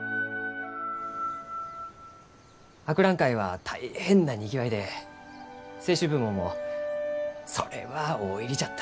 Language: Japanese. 博覧会は大変なにぎわいで清酒部門もそれは大入りじゃった。